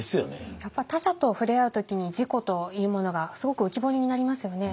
やっぱり他者と触れ合う時に自己というものがすごく浮き彫りになりますよね。